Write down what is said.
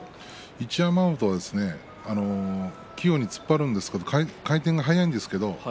一山本は器用に突っ張るんですけれど回転が速いんです。